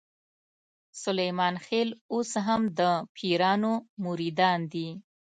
سلیمان خېل اوس هم د پیرانو مریدان دي.